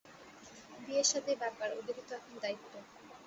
বিয়েশাদির ব্যাপার, ওদেরই তো এখন দায়িত্ব।